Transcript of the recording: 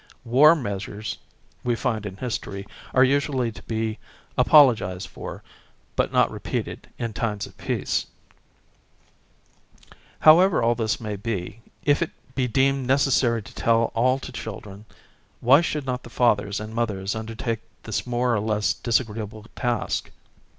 Wari measures, we find in history, are usually to be apolo gised for, but not repeated, in times of peace. However all this may be, if it be deemed neces sary to tell all to children, why should not the fathers and mothers undertake this more or less disagree able task?